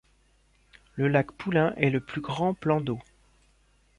Le lac Poulin est le plus grand plan d'eau.